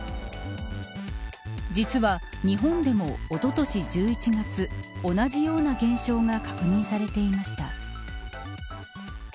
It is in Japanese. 実は、日本でもおととし１１月同じような現象が確認されていました。